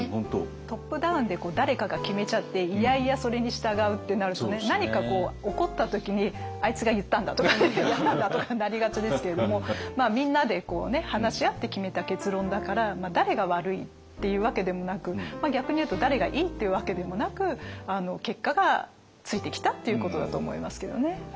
トップダウンで誰かが決めちゃって嫌々それに従うってなると何か起こった時にあいつが言ったんだとかねやったんだとかになりがちですけれどもみんなで話し合って決めた結論だから誰が悪いっていうわけでもなく逆に言うと誰がいいっていうわけでもなく結果がついてきたっていうことだと思いますけどね。